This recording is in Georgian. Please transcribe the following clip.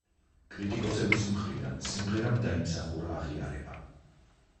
კრიტიკოსების მხრიდან სიმღერამ დაიმსახურა აღიარება.